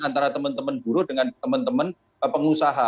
antara teman teman buruh dengan teman teman pengusaha